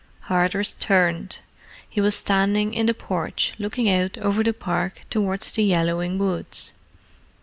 Hardress turned. He was standing in the porch, looking out over the park towards the yellowing woods.